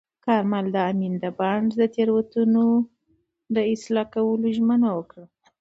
کارمل د امین بانډ د تېروتنو اصلاح کولو ژمنه وکړه.